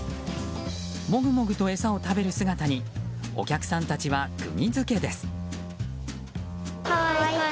もぐもぐと餌を食べる姿にお客さんたちはくぎづけです。